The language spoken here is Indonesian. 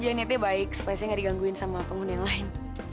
jangan nyetnya baik supaya saya nggak digangguin sama kamu dan yang lain